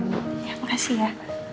terima kasih ya